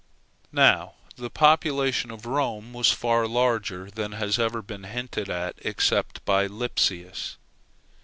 Now the population of Rome was far larger than has ever been hinted at except by Lipsius.